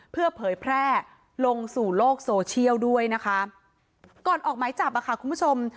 เพื่อเผยแพร่ลงสู่โลกโซเชียลด้วยนะคะก่อนออกหมายจับอ่ะค่ะคุณผู้ชม